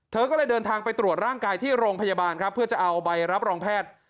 เธอก็เลยเดินทางไปตรวจร่างกายที่โรงพยาบาลครับเพื่อจะเอาใบรับรองแพทย์